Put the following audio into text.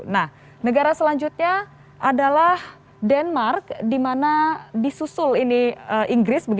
nah negara selanjutnya adalah denmark dimana disusul ini inggris